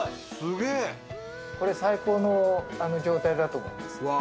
これ最高の状態だと思います。